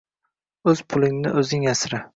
O‘z pulingni o‘zing asra!